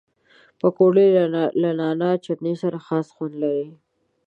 پکورې له نعناع چټني سره خاص خوند لري